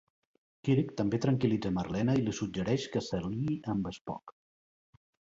Kirk també tranquil·litza Marlena i li suggereix que s'aliï amb Spock.